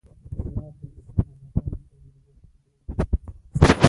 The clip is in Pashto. د هرات د وریښمو او زغفرانو تولیداتو بیلګې وې.